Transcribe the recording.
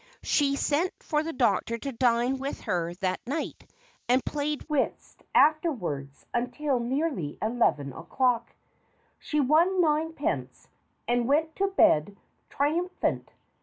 She sent for the doctor to dine with her that night, and played whist afterwards until nearly eleven o'clock. She won ninepence, and went to bed tri umphant.